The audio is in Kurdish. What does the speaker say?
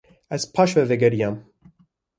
Ez paş ve vegeriyam.